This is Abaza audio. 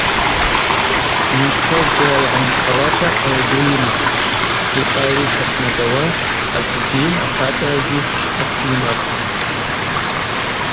Мидпа зджьара йгӏанымхауата къару ду йымапӏ, йкъару йшаквнагауа агвгьи ахъацӏарагьи ацйымахпӏ.